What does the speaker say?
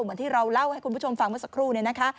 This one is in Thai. เหมือนที่เราเล่าให้คุณผู้ชมฟังเมื่อสักครู่